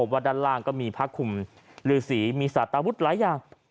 ว่าด้านล่างก็มีผ้าคุมลือสีมีสาตาวุฒิหลายอย่าง